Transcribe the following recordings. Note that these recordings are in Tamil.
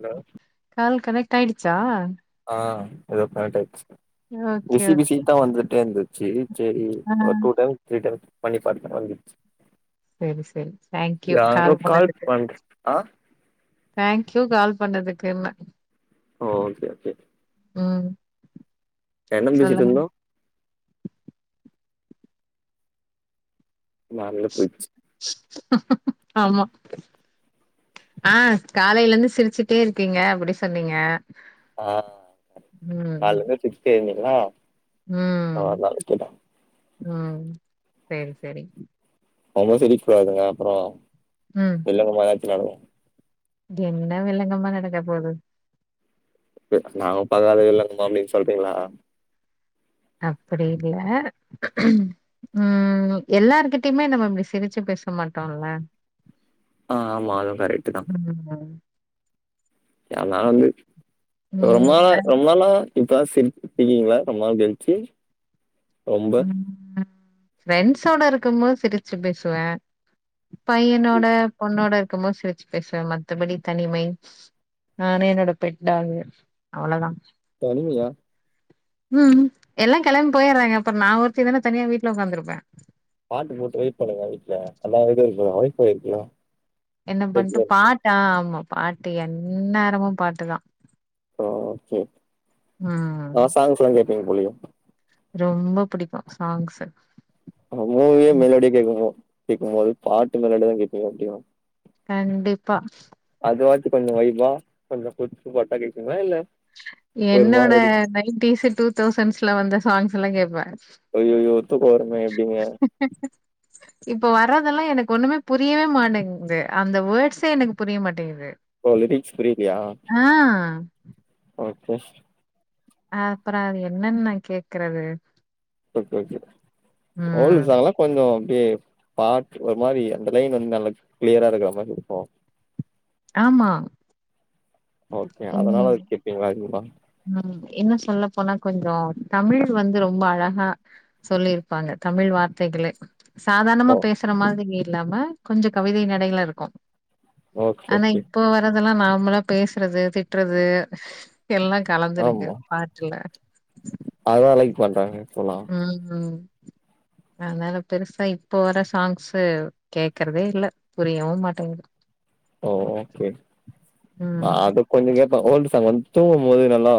ஹலோ கால் கனெக்ட் ஆயிடுச்சா ஆ எதோ கனெக்ட் ஆயிட்ச்சு ஓகே பிசி பிசி ஓகே தா வந்துட்டே இருந்துச்சி சேரி ஆ ஒரு டூ டைம்ஸ் த்ரீ டைம்ஸ் பண்ணி காமிக்ர மாரி இருந்ச்சு செரி செரி தேங்க்யூ கால் பண்ணதுக்கு பண்ற ஆ தேங்க்யூ கால் பண்ணதுக்குன்ன ஓ ஓகே ஓகே ம் என்னெங் சொல்லுங்க பேசிட்டிருந்தோ நால்ல போயிட்ச்சு ஆமா ஆ காலையில இருந்து சிரிச்சுட்டே இருக்கீங்க அப்டி சொன்னீங்க ஆம் ம் காலேலிர்ந்து சிரிச்சிட்டே இருந்தேங்க்ளா ம் ம் சேரி சேரிங் ரொம்ப சிரிக் கூடாதுங்க அப்பறோ உம் இல்லங்க [unintelligible] என்ன வில்லங்கமா நடக்கப் போது நாங்களும் பாக்காத வில்லங்கமா அப்டின் சொல்டீங்களா அப்படி இல்ல ம் எல்லாருகிட்டயுமே நம்ம இப்டி சிரிச்சு பேச மாட்டோல்ல ஆ ஆமா அதுவு கரெக்ட்டு தா ம் அதனால வந்து ரொம் ம் நாளா ரொம் நாளா இப்பதா சிரி டிக்கிங்க்ளா ரொம்ப நாள் கழிச்சி ரொம்ப ம் ஃப்ரெண்ட்ஸோட இருக்கும்போது சிரிச்சு பேசுவே பையனோட பொண்ணோட இருக்கும்போது சிரிச்சு பேசுவே மத்தபடி தனிமை நானு என்னோட பெட் டாக்கு அவ்ளோதா தனிமையா ம்ம் எல்லா கெளம்ப் போயறாங்க அப்பறோ நா ஒருத்தி தானே தனியா வீட்ல ஒக்காந்திருப்பே பாட்டு போட்டு வய்ப் பண்ணுங்க வீட்ல அதா அமைதியா [unintelligible] என்ன பண்ட்டு பாட்டா ஆமா பாட்டு எந்நேரமு பாட்டுதா ஓக்கே ம் ஆ சாங்க்ஸ்லா கேப்பிங் போலியே ரொம்ப புடிக்கு சாங்க்ஸ்சு அப்ப மூவியே மெலோடியா கேட்கும்போ கேக்கும்போது பாட்டு மெலோடியதா கேட்பீங்க எப்டியு கண்டிப்பா அது வாச்சி கொஞ்சோ வய்பா கொஞ்சோ குத்து பாட்டா கேப்பிங்க்ளா இல்ல ஒரு என்னோட மாதிரி நைன்டீஷ் டூ தௌசண்ட்ஸ்ல வந்த சாங்ஸ்ல்லா கேப்பே ஐய்யயோ ஒத்து போறம எப்டிங்க ஹ இப்ப வர்றதெல்லா எனக்கு ஒண்ணுமே புரியவே மாட்டேங்குது அந்த வேர்ட்ஸே எனக்கு புரிய மாட்டேங்குது ஓ லிரிக்ஸ் புரியலா ஆ ஓகே அ அப்பற அது என்னன்னு நா கேக்குறது ஓகே ஓகே ஓல்டு ம் சாங்க கொஞ்ச அப்டியே பார்ட் ஒரு மாரி அந்த லைன் வந்து நல்லா கிளியரா இருக்குற மாரி இருக்கு ஆமா ஓகே அதனால ம் அது கேட்டீங்களா இருந்தா ம் இன்னு சொல்ல போனா கொஞ்சோ தமிழ் வந்து ரொம்ப அழகா சொல்லியிருப்பாங்க தமிழ் வார்த்தைகளே சாதாரணமா ஓ பேசுற மாதிரி இல்லாம கொஞ்சோ கவிதை நடையில இருக்கு ஓகே ஆனா ஓகே இப்போ வர்றதெல்லா நார்மலா பேசுறது திட்டுறது எல்லா கலந்துருக்கு பாட்டுல அதுதா லைக் பண்றாங்க இப்போல்லா ம் அதனால பெருசா இப்போ வர சாங்ஸூ கேக்குறதே இல்ல புரியவு மாட்டேங்குது ஓ ஓகே நா ம் அது கொஞ்சோ கேப்பே ஓல்டு சாங்கு வந்து தூங்கும் போது நல்லா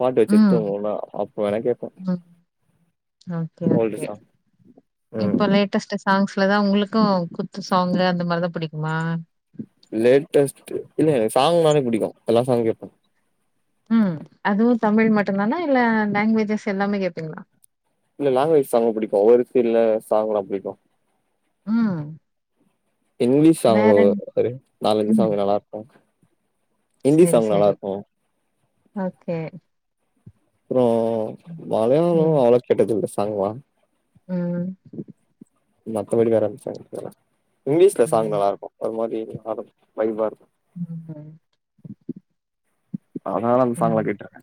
பாட்டு வச்சு ம் தூங்குவனா அப்போ வேணா கேப்போ ம் ஓகே ஓகே சாங் ம் இப்ப லே டஸ்ட் சாங்ஸ்லதா உங்களுக்கு குத்து சாங்கு அந்த மாரிதா புடிக்குமா லேட்டஸ்ட் இல்ல எனக்கு சாங் நாலே புடிக்கு எல்லா சாங்கு கேப்பே ம் அதுவு தமிழ் மட்டுதானா இல்ல லாங்குவேஜஸ் எல்லாமே கேப்பீங்களா இல்ல லாங்குவேஜ் சாங்கு புடிக்கு ஒவ்வொரு ஃபீல்ட்ல சாங்கலா புடிக்கு ம் ஹிந்தி சாங்கு வேற ஒரு நாலஞ்சு சாங்கு நல்லா இருக்கு ஹிந்தி சரி சாங் நல்லா சரி இருக்கு ஓகே அப்புறோ மலையாளோ ம் அவ்ளோ கேட்டதில்ல சாங்ளா ம் மத்தபடி வேறெந்த சாங்கு கேட்டது இல்ல இங்கிலீஷ்ல சாங் ம் நல்லா இருக்கு அது மாதி வைபா இருக்கு ம் அதனால அந்த ம் சாங்லா கேட்ருக்கே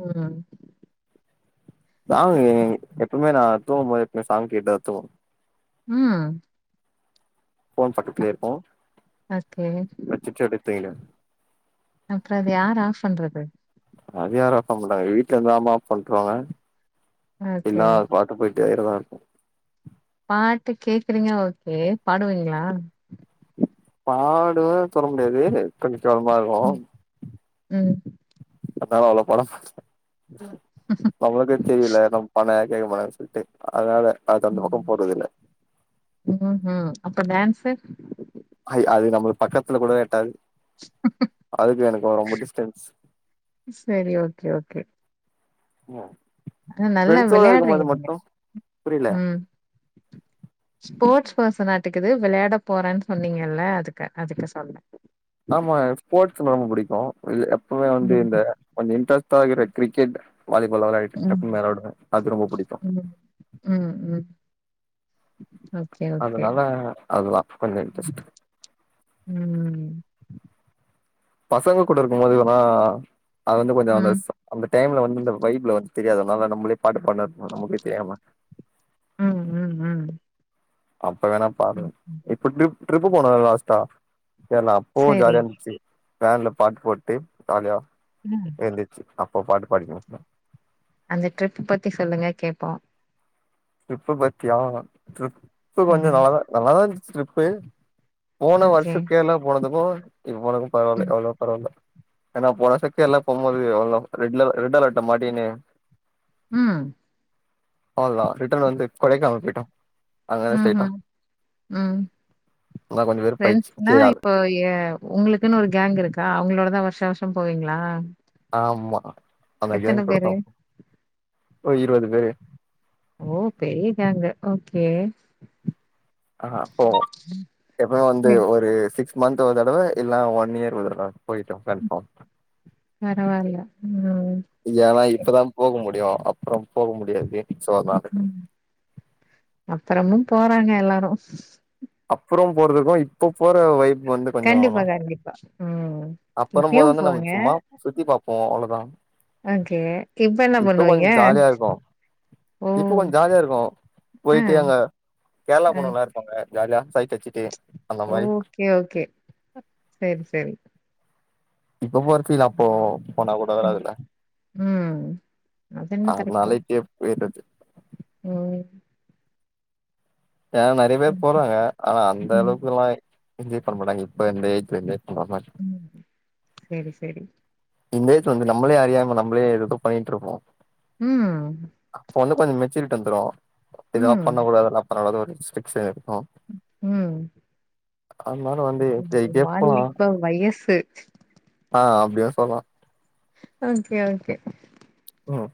ம் சாங்கு எப்பவுமே நா தூங்கும் போது எப்பவுமே சாங் கேட்டு தா தூங்குவே ம் ஃபோன் பக்கத்துலயே இருக்கு ஓகே வச்சிட்டு அப்டியே தூங்கினுவே அப்புறோ அத யாரு ஆஃப் பண்றது அத யாரு ஆஃப் பண்ண மாட்டாங்க வீட்டுல இருந்தா அம்மா ஆஃப் பண்ருவாங்க இல்ல ஓகே அது பாட் ட்டேதா இருக்கு பாட்டு கேக்குறீங்க ஓகே பாடுவீங்களா பாடுவே சொல்ல முடியாது கொஞ்ச கேவலமா இருக்கு ம் ம் அத்தால அவ்ளோ பணோ நம்மளுக்கே தெரில நம்ம பணம் கேட்க பனன்னு சொல்ட்டு அதனால அதுக்கு அந்த பக்கோ போறதில்ல ம் ஹு அப்ப டான்ஸு அது அது நம்ம பக்கத்துல கூட எட்டாது அதுக்கு எனக்கு ரொம்ப டிஸ்டன்ஸ் செரி ஓகே ஓகே ஆனா நல்லா ஃப்ரண்ட்ஸோட இருக்கும்போது விளையாடுறீங்க நீங்க மட்டு புரில ம் ஸ்போர்ட்ஸ் பெர்சன் ஆட்டுக்குது விளாட போறேன்னு சொன்னீங்கல்ல அதுக்கு அதுக்கு சொன்ன ஆமா ஸ்போர்ட்ஸ்னா ரொம்ப புடிக்கு எப்பமே வந்து இந்த ம் கொஞ்ச இன்ட்ரெஸ்ட் ஆகிற கிரிக்கெட் வாலிபால் வெளாடிட்டு டக்குனு ம் மேல ஓடுவ அது ரொம்ப புடிக்கு ம் ம் ம் ஓகே ஓகே அதனால அது லா கொஞ்ச இன்ட்ரெஸ்ட் ம் பசங்க கூட இருக்கம்போதுவன்னா அது வந்து கொஞ்ச ம் அந்த ம் அந்த டைம்ல வந்து இந்த வைப்ல வந்து தெரியாது அதனால நம்பளே பாட்டு பாட்னா நமக்கே தெரியாம ம் ம் ம் அப்ப வேணா பாருங்க இப்ப டிப் ட்ரிப் போன லாஸ்டா கேர்ளா அப்போ சரி ஜாலியா இருந்துச்சு வேன்ல பாட்டு போட்டு ஜாலியா ம் எந்திச்சு அப்போ பாட்டு பாடிக்கினு அந்த ட்ரிப் பத்தி சொல்லுங்க கேப்போ ட்ரிப்பு பத்தியா ட்ரிப் ட்ரிப்பு கொஞ்ச ம் நல்லா தா இருந்துச்சு ட்ரிப்பு போன ஓகே வருஷ கேரளா போனதுக்கு இப் போனது பரவால ம் எவ்ளோ பரவால ஏன்னா போன வர்ச கேர்ளா போம்போது எவ்ளோ ரெட்ல ரெட் அலட்ல மாட்டீனு ம் அவ்லா ரிட்டன் வந்து கொடைக்கானல் போய்ட்டோ ம் ஹும் ம் அதா கொஞ்ச வெறுப்பாயிடுச்சு ஃப்ரண்ட்ஸ்னா சேர் இப்போ ஏ உங்களுக்குன்னு ஒரு கேங் இருக்கா அவங்களோடதா வருஷா வருஷ போவீங்களா ஆமா அந்த எத்தன கேங் கூட பேரு தா ஒரு இரவது பேரு ஓ பெரிய கேங்கு ஓகே ஆ போ எப்பமே வந்து சரி ஒரு சிக்ஸ் மந்த் ஒரு தடவ இல்ல ஒன் இயர் ஒரு தடவ போய்ட்டோ கன்ஃபார்ம் பரவால்ல ம் ஏன்னா இப்பதா போக முடியு அப்புறோ போக முடியாது சோ அதா ம் அப்புறமு போறாங்க எல்லாரு அப்புறோ போறதுக்கு இப்ப போற வைப் வந்து கண்டிப்பா [unintelligible] கண்டிப்பா ம் அப்புறோ இப்பயு போறதந்த நம் போங்க சும்மா சுத்தி பாப்போ அவ்ளதா ஓகே இப்ப என்ன பண்ணுவீங்க ஓ இப்போ கொஞ்ச ஜாலியா இருக்கு ஆ போய்ட்டு அங்க கேரளா ஆ பொண்ணுங்கல்லா இரு பாங்க ஜாலியா சைட் அச்சிட்டு அந்த மாரி ஓகே ஓகே சரி சரி இப்ப போறதுக்கு அப்போ போனா கூட ம் வராதுல ம் அது என்னமோ கரெக்ட் தா அத்னால இப்பே போய்றது ம் அனா நெறைய பேர் ம் போறாங்க ஆனா அந்த ம் அளவுக்கு எல்லா [unintelligible] பண்ண மாட்டாங்க இப்ப வந்து [unintelligible] பண்றாங்க ம் சேரி சேரி இந்த ஏஜ்ல வந்து நம்மளே அறியாம நம்மளே ஏதோதோ பண்ணிட் இருப்போ ம் அப்ப வந்து கொஞ்சொ மெச்சூரிட்டி வந்துரு இதலா ம் பண்ணக்கூடாதுல்ல அதனால அது ஒரு ரெஸ்ட்ரிக்ஸன் இருக்கூ ம் அதனால வந்து இது வாலிப [unintelligible] வயசு ஆ அப்டியு சொல்லலா ஓகே ஓகே ம்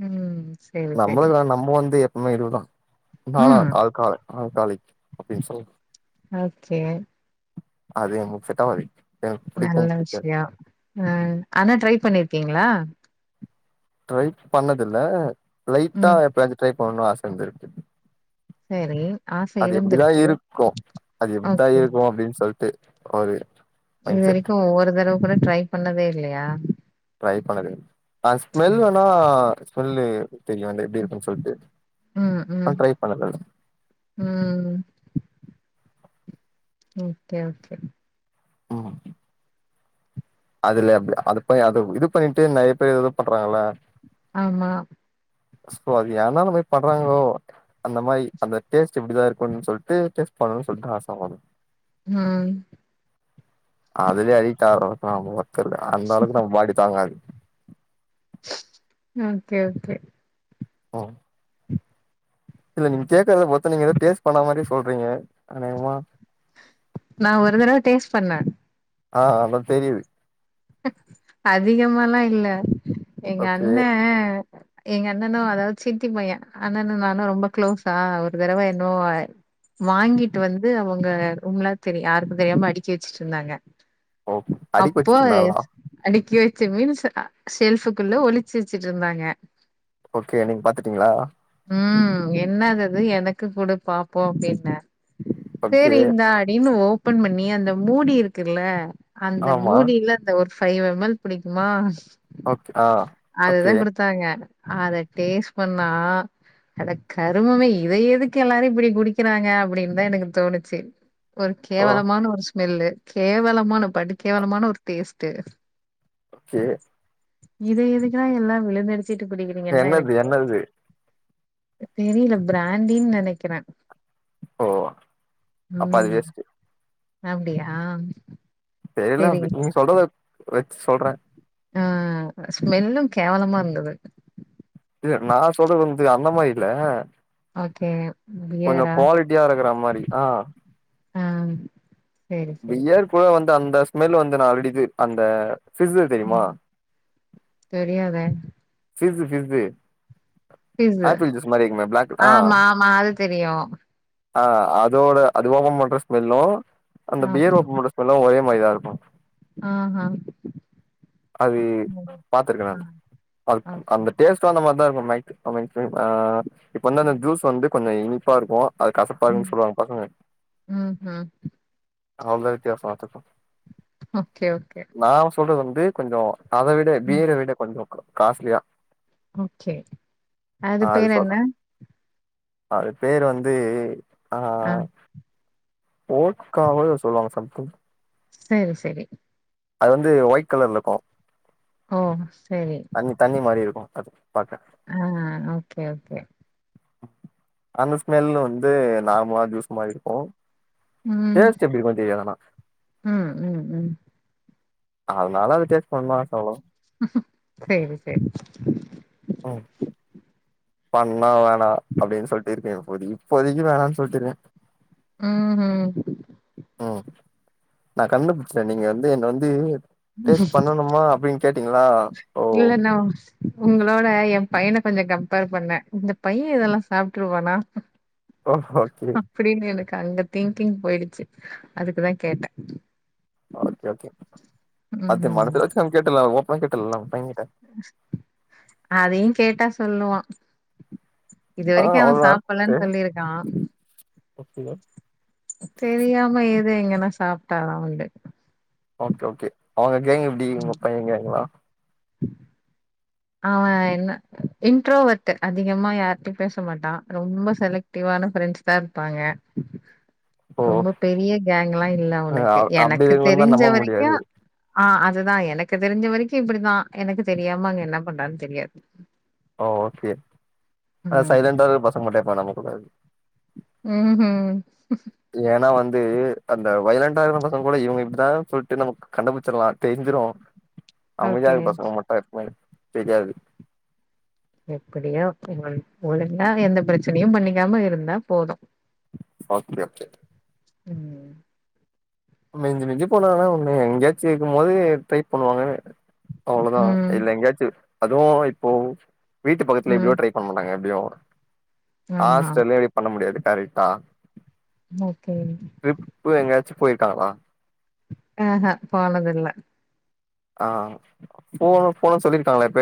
ம் சரி சரி நம்மளுக்குலா நம்ப வந்து எப்புமே இதுதா ம் நான்ஆல்கா ஆல்காலிக் ஆல்காலிக் அப்டின் சொல் ஓகே அது நமக் செட்டாவாது நல்ல விஷயொ ஆ ஆனா ட்ரை பண்ணிர்க்கீங்களா ட்ரை பண்ணதுல்ல லைட்டா ம் எப்பயாது ட்ரை பண்ணுனு ஆச இருந்திருக்கு சரி ஆச அது எப்பிடிதா இருந்திருக்கு இருக்கூ அது எப்பிடிதா ஓகே இருக்கூ அப்டின் சொல்ட்டு ஒரு இது மைண்ட் செட் வரைக்கூ ஒரு தடவ கூட ட்ரை பண்ணதே இல்லயா ட்ரை பண்ணது ஆ ஸ்மெல் வேணா ஸ்மெல்லு தெரியு அது எப்டி இருக்குன் சொல்ட்டு ம் ம் நா ம் ட்ரை பண்ணல ம் ஓகே ஓகே ஆமா அது லே அப்டி அது பேய் அது இது பண்ணிட்டு நெறய பேர் ஏதுவு பண்றாங்கள ஆமா அஸ்போவ்தி ஏந்தா அந்தமாறி பண்றாங்களோ அந்த மாயி அந்த டேஸ்டூ இப்டிதா இருக்குன்னு சொல்ட்டு டேஸ்ட் பண்ணனுன் சொல்ட்டு ஆச படு ஹான் அதுலே அடிட்டாவுர அளவுக்கல்லா நம ஒர்த் இல்ல அந்த அளவுக்கு நம்ம பாடி தாங்காது ம் கே ஓகே ஆ இல்ல நீங்க கேட்கறத பாத்தா நீங்க ஏதோ டேஸ்ட் பண்ண மாரி சொல்றீங்க அநேகமா நா ஒரு தடவ டேஸ்ட் பண்ணே ஆ அதா தெரியுது அதிகமாலா இல்ல எங்க ஓகே அண்ணே எங்க அண்ணனூ அதாவ்து சித்தி பையே அண்ணனு நானு ரொம்ப க்ளோஸ்ஸா ஒரு தடவ என்னோ வாங்கிட்டு வந்து அவுங்க ரூம்ல தெரி யாருக்கு தெரியாம அடிக்கி வச்சிட்ருந்தாங்க ஓ அடிக்க அப்போ வச்சுட்டு எ இருந்தாங்களா அடுக்கி வச்ச மீன்ஸ் ஷெல்ஃபக்குள்ள ஒளிச்சு வச்சுட்ருந்தாங்க ஓகே நீங்க பாத்துட்டீங்ளா ம் என்னாதது எனக்கு குடு பாப்போ அப்டின்னே ஓகே சேரி இந்தா அடின்னு ஓப்பன் பண்ணி அந்த மூடி இருக்குல்ல அந்த ஆமா மூடில அந்த ஒரு ஃபைவ் எம்எல் புடிக்குமா ஓக் ஆ ஓகே டத்தாங்க அத டேஸ்ட் பண்ணா அட கருமமே இத எதுக்கு எல்லாரூ இப்டி குடிக்கிறாங்க அப்டினுதா எனக்கு தோணுச்சு ஒரு ஓ கேவலமான ஒரு ஸ்மெல்லு கேவலமான படு கேவலமான ஒரு டேஸ்ட்டூ கே இத எதுக்குலா எல்லா விழுந்தடிச்சுட் குடிக்கிறீங்கனு தா என்னது எனக்கு தெரி என்னது தெரில பிராண்டினு நெனக்கிறே ஓ அப்ப அது உம் வேஸ்ட்டு அப்டியா தெரில சேரி அப்டி நீங்க சொல்றத வச்சு சொல்றே ஆ ஸ்மெல்லூ கேவலமா இருந்தது இல்ல நா சொல்றது வந்து அந்த மாயில ஓகே கொஞ்சோ பியரா? குவாலிட்டியா இருக்குற மாரி ஆ ஆ சேரி சேரி. பியர் கூல வந்து அந்த ஸ்மெலு வந்து நால்ரடி அந்த ஃப்ஸு தெரியுமா ம் தெரியாதே fizz fizz fizz apple juice மாறிருக்குமே ப்ளாக் ஆ ஆமா ஆமா அது தெரியு. ஆ அதோட அது ஓப்பம் பண்ற ஸ்மெல்லூ அந்த பியர் ஓகே. ஓப்பம்பண்ற ஸ்மெல்லூ ஒரே மாரிதா இருக்கூ ஆஹா அது ம் பாத்திருக்கே ஆ நானு அத் ஓகே. அந்த டேஸ்ட்ட் அந்த மாதிரிதான் இருக்கும் இப்ப வந்து அந்த ஜூஸ் வந்து கொஞ்சம் இனிப்பாருக்கும் அது கசப்பாருக்கு ம் பாங்கன்னு ம் சொல்லுவாங்க பக்கங்க ம்ஹ்ம். அவ்வளதான் வித்தியாசம்ப்ப ஓகே ஓகே நா சொல்றது வந்து கொஞ்சோ அத விட ம் பீயர விட கொஞ்சோ காஸ்ட்லியா ம் சேரி அது பேரு என்ன அது பேரு வந்து ஆ ஓட்கா வோ எதொ சொல்வாங்க சம்திங் சேரி சேரி அது வந்து ஒயிட் கலர்லருக்கு ஓ சேரி உம் தண்ணி மாரிருக்கும் அது பாக்க ம் ஓகே ஓகே அந்த ஸ்மெல் வந்து நார்மலா ஜூஸ் மாதி இருக்கு ம். டே்ஸ்ட்டு எப்டிருக்கு தெரியாதானா ம் ம் ம் அதுனால அது டேஸ்ட் பண்லா அவ்ளோதா சேரி சேரி ம் பண்ண வேணா அப்டின்னு சொல்லிட்டுருக்கேஇப்போதைக்கு இப்போதைக்கி வேணானு சொல்லிட்டுருக்கே ம்ஹும் ம் நா கண்டுபிடிச்சிட்டே நீங்க வந்து என்ன வந்து டேஸ்ட் பண்ணணுமா அப்டின்னு கேட்டீங்களா ஓ இல்ல நோ உங்களோட என் பையனை கொஞ்சோ கம்பேர் பண்ணன் இந்த பையன் இததெல்லா சாப்பிட்டுருவானா ஓ ஓகே அப்டின்னு எனக்கு அங்க திங்கிங் போயிடுச்சு அதுக்குதா கேட்டே ஓகே ஓகே அத ம். மனசுல வச்சுல கேட்டலா ஓப்பனா கேட்டலா உங்க பையகிட்ட அதையு கேட்டா சொல்லுவா இது வரைக்கு அவன் சாப்பிடலன்னு சொல்லியிருக்கா அப்டியே தெரியாம எது எங்கன்னா சாப்பிட்டாதா உண்டு ஓகே ஓகே அவங்க கேங்க எப்டி உங்க பையன் கேங்களா அவன் என்ன இன்ட்ரோவட்டு அதிகமா யாரிட்டையு பேசமாட்டா ரொம்ப செலக்ட் டிவ்வான ஃப்ரெண்ட்ஸ் தா இருப்பாங்க ஓ ரொம்ப பெரிய கேங் எல்லா இல்ல அவனுக்கு அப்டி எனக்கு இருக்குன்னு தா தெரிஞ்ச நம்ப வரைக்கு முடியாது ஆ அதுதா எனக்கு தெரிஞ்ச வரைக்கு இப்டித்தா எனக்கு தெரியாம அங்க என்ன பண்றான்னு தெரியாது ஓ ஓகே ஆ ம். சைலண்டா இருக்குற பசங்க மட்டு எப்போவு நம்ப கூடாது ம் ம் ஏன்னா வந்து அந்த வைலண்டா இருக்கற பசங்க கூட இவங்க இப்டிதான்னு சொல்லிட்டு நமக்கு கண்டுபிடிச்சிடலா தெரிஞ்சிரு அமைதியா ஓகே. இருக்கு பசங்க மட்டு எப்வுமே தெரியாது எப்படியோ உ ஒழுங்கா எந்த பிரச்சனையு பண்ணிக்காம இருந்தா போது ஓகே ஓகே ம் மிஞ்சி மிஞ்சி போனங்கனா ஒண்ணு எங்கயாச்சும் இருக்குபோது ட்ரை பண்ணுவாங்க அவ்ளோதா ம். இல்ல எங்கேயாச்சும் அதுவும் இப்போ வீட்டு பக்கத்துல எப்டியோ ம். ட்ரை பண்ண மாட்டாங்க எப்டியு ஆமா. ஹாஸ்டல்ல இப்டி பண்ண முடியாது கரெக்டா ஓகே ட்ரிப்பு எங்கயாச்சு போயிருக்காங்களா ம் ம் போனதில்ல. ஆ போ போனு சொல்லிருக்காங்களா எப்பயாது